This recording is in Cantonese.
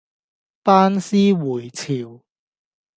班師回朝